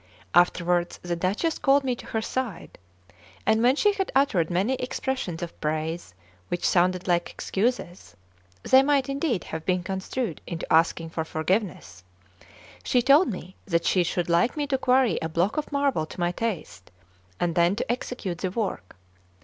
Afterwards the Duchess called me to her side; and when she had uttered many expressions of praise which sounded like excuses (they might indeed have been construed into asking for forgiveness), she told me that she should like me to quarry a block of marble to my taste, and then to execute the work.